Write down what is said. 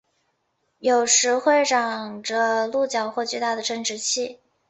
有时会长着鹿角或巨大的生殖器。